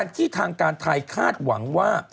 ที่ทางการไทยคาดหวังว่า